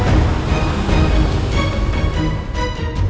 apakah ini dia